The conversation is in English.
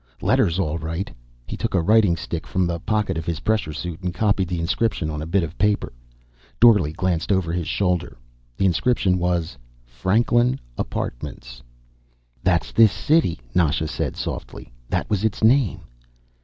"Letters, all right." He took a writing stick from the pocket of his pressure suit and copied the inscription on a bit of paper. Dorle glanced over his shoulder. The inscription was: FRANKLIN APARTMENTS "That's this city," Nasha said softly. "That was its name."